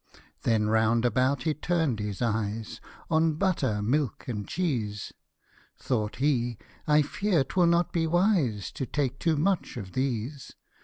118 Then round about he turn'd his eyes On butter, milk, and cheese, Thought he, " I fear 'twill not be wise To take too much of these.